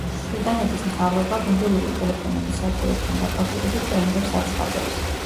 ბრიტანეთის მთავრობა, მობილური ტელეფონების სადგურებთან დაკავშირებით ტენდერს აცხადებს.